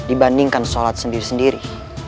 dibandingkan sholat sendiri sendiri